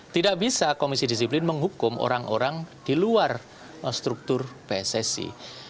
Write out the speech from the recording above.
tidak bisa komisi disiplin menghukum orang orang di luar struktur pssi